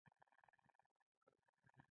خپل انسانيت له لاسه ورکوي.